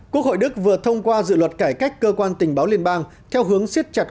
quốc hội đức vừa thông qua dự luật cải cách cơ quan tình báo liên bang theo hướng siết chặt